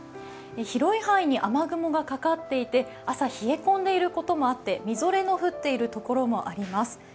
広い範囲に雨雲がかかっていて、朝冷え込んでいることもあってみぞれの降っている所もあります。